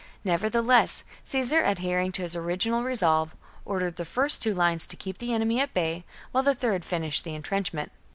Nevertheless, Caesar, adhering to his original resolve, ordered the first two lines to keep the enemy at bay, while the third finished the entrenchment.